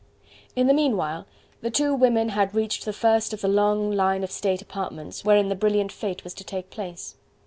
In the meanwhile the two women had reached the first of the long line of state apartments wherein the brilliant fete was to take place.